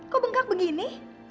kok bengkak begini